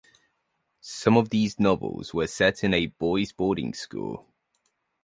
Some of his novels were set in a boys' boarding school.